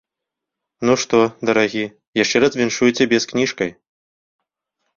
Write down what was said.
Ну што, дарагі, яшчэ раз віншую цябе з кніжкай.